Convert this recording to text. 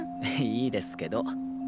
いいですけど。